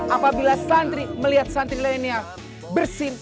apabila santri melihat santri milenial bersin